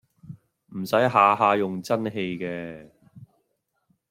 唔駛下下用真氣嘅